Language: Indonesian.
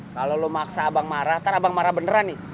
kalau lo maksa abang marah ntar abang marah beneran nih